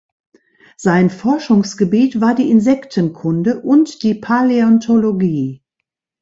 Sein Forschungsgebiet war die Insektenkunde und die Paläontologie.